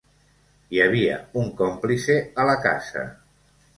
Hi havia un còmplice a la casa.